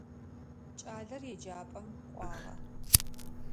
Кӏалэр еджапӏэм кӏуагъэ.